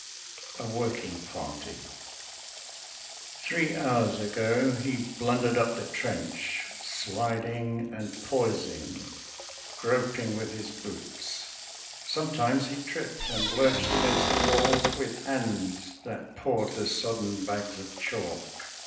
A WORKING PARTY Three hours ago he blundered up the trench, Sliding and poising, groping with his boots; Sometimes he tripped and lurched against the walls With hands that pawed the sodden bags of chalk.